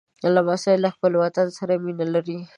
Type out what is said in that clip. لمسی له خپل وطن سره مینه لري.